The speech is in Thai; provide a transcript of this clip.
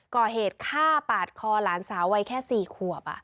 ก่อเหตุฆ่าปาดคอหลานสาววัยแค่๔ขวบ